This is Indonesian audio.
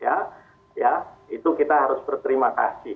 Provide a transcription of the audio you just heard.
ya itu kita harus berterima kasih